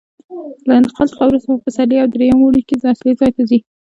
له انتقال څخه وروسته په پسرلي او درېیم اوړي کې اصلي ځای ته ځي.